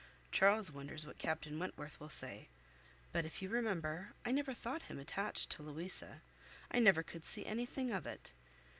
Charles wonders what Captain Wentworth will say; but if you remember, I never thought him attached to Louisa; I never could see anything of it.